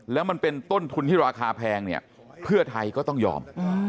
แล้วมันเป็นต้นทุนที่ราคาแพงเนี่ยเพื่อไทยก็ต้องยอม